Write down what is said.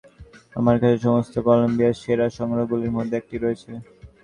আমার কাছে সমস্ত কলম্বিয়ার সেরা সংগ্রহগুলির মধ্যে একটি রয়েছে।